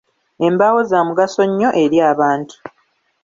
Embaawo za mugaso nnyo eri abantu.